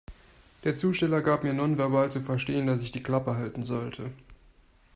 Der Zusteller gab mir nonverbal zu verstehen, dass ich die Klappe halten sollte.